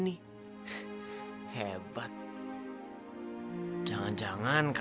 perhubungan anda kayavasa